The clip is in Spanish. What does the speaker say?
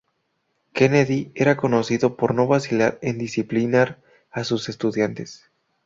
Kennedy, era conocido por no vacilar en disciplinar a sus estudiantes.